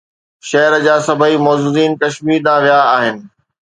شهر جا سڀئي معززين ڪشمير ڏانهن ويا آهن.